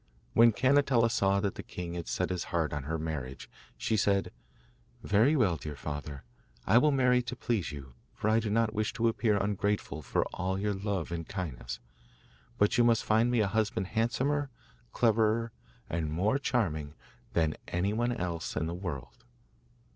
When Cannetella saw that the king had set his heart on her marriage, she said: 'Very well, dear father, I will marry to please you, for I do not wish to appear ungrateful for all your love and kindness; but you must find me a husband handsomer, cleverer, and more charming than anyone else in the world.